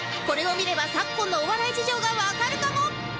これを見れば昨今のお笑い事情がわかるかも